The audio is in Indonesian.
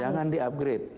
jangan di upgrade